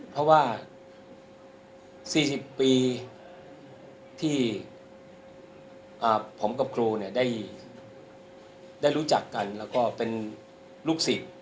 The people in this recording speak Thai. เพราะว่า๔๐ปีที่ผมกับครูได้รู้จักกันแล้วก็เป็นลูกศิษย์